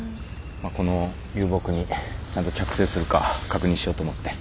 この流木にちゃんと着生するか確認しようと思って。